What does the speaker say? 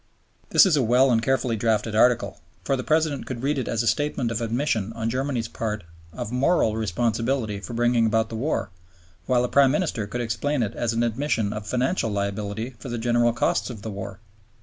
This is a well and carefully drafted Article; for the President could read it as statement of admission on Germany's part of moral responsibility for bringing about the war, while the Prime Minister could explain it as an admission of financial liability for the general costs of the war.